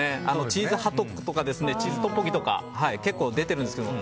チーズハットクとかチーズトッポギとか結構出てるんですけど。